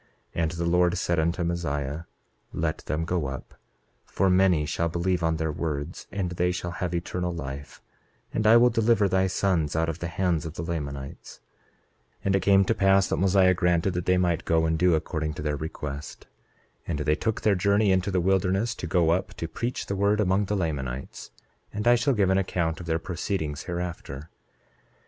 28:7 And the Lord said unto Mosiah: Let them go up, for many shall believe on their words, and they shall have eternal life; and I will deliver thy sons out of the hands of the Lamanites. 28:8 And it came to pass that Mosiah granted that they might go and do according to their request. 28:9 And they took their journey into the wilderness to go up to preach the word among the Lamanites; and I shall give an account of their proceedings hereafter.